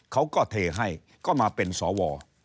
เขาก็เทให้ก็มาเป็นสว